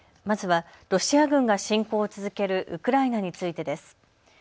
まずはロシア軍が侵攻を続けるウクライナについてです。